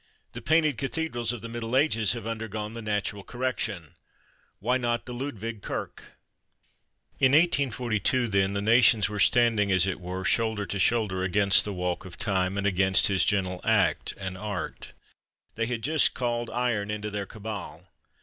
The painted cathedrals of the Middle Ages have undergone the natural correction; why not the Ludwig Kirche? In 1842, then, the nations were standing, as it were, shoulder to shoulder against the walk of time and against his gentle act and art. They had just called iron into their cabal.